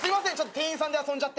店員さんで遊んじゃって。